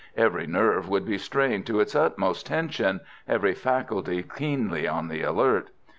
Every nerve would be strained to its utmost tension, every faculty keenly on the alert.